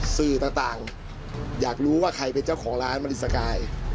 สื่อต่างอยากรู้ว่าใครเป็นเจ้าของร้านมารินสกาย